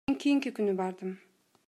Мен кийинки күнү бардым.